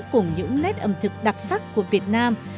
cùng những nét ẩm thực đặc sắc của việt nam